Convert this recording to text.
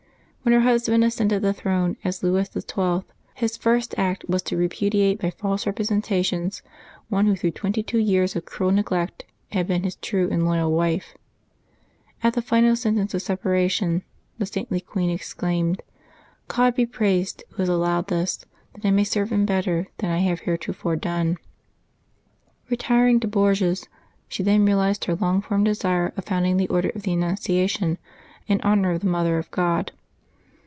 When her husband ascended the throne as Louis XII., his first act was to repudiate by false representations one who through twenty two years of cruel neglect had been his true and loyal wdfe. At the final sen tence of separation, the saintly queen exclaimed, " God be praised Who has allowed this, that I may serve Him better than I have heretofore done.'^ Eetiring to Bourges, she there realized her long formed desire of founding the Order of the Annunciation, in honor of the Mother of God.